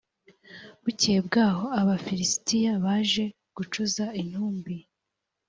bukeye bwaho abafilisitiya baje gucuza intumbi